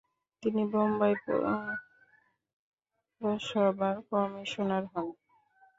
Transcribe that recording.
তিনি বোম্বাই পুরসভার কমিশনার হন।